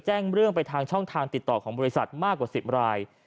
แจ้งเรื่องไปทางช่องทางติดต่อของบริษัทมากกว่า๑๐ราย